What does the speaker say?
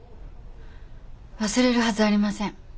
忘れるはずありません。